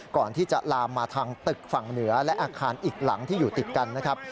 ก่อนที่จะลามมาทางตึกฝั่งเหนือและอาคารอีกหลังที่อยู่ติดกันนะครับ